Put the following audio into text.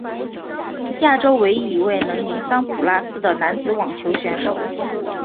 亚洲唯一一位能赢桑普拉斯的男子网球选手。